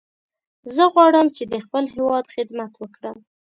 زه غواړم چې د خپل هیواد خدمت وکړم.